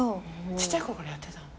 ちっちゃいころからやってたの？